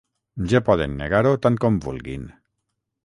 Ja poden negar-ho tant com vulguin.